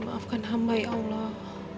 maafkan hambai allah